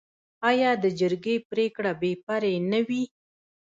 آیا د جرګې پریکړه بې پرې نه وي؟